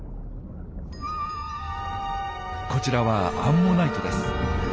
こちらはアンモナイトです。